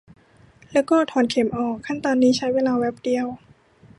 แล้วก็ถอนเข็มออก ขั้นตอนนี้ใช้เวลาแวบเดียว